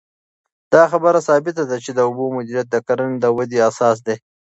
دا خبره ثابته ده چې د اوبو مدیریت د کرنې د ودې اساس دی.